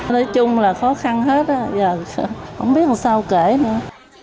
nói chung là khó khăn hết giờ không biết sao kể nữa